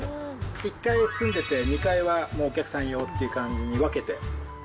１階住んでて、２階はお客さん用っていう感じに分けて。